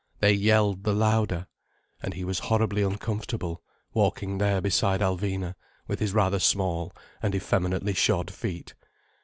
They yelled the louder. And he was horribly uncomfortable, walking there beside Alvina with his rather small and effeminately shod feet.